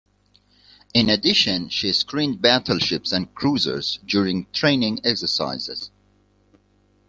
In addition she screened battleships and cruisers during training exercises.